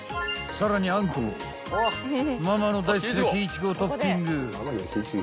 ［さらにあんこママの大好きなキイチゴをトッピング］